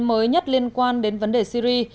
mới nhất liên quan đến vấn đề syri